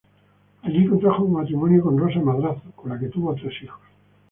Allí contrajo matrimonio con Rosa Madrazo con la que tuvo tres hijos.